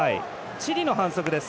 チリの反則です。